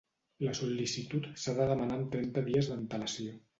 La sol·licitud s'ha de demanar amb trenta dies d'antelació.